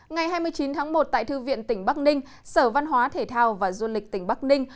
ngày hai mươi chín tháng một tại thư viện tỉnh bắc ninh sở văn hóa thể thao và du lịch tỉnh bắc ninh